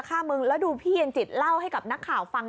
ฆ่ามึงแล้วดูพี่เย็นจิตเล่าให้กับนักข่าวฟัง